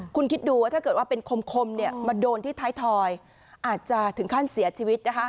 คุณคิดดูว่าถ้าเกิดว่าเป็นคมมาโดนที่ท้ายทอยอาจจะถึงขั้นเสียชีวิตนะคะ